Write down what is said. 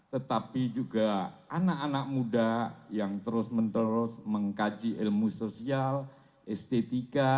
tetapi juga anak anak muda yang terus menerus mengkaji ilmu sosial estetika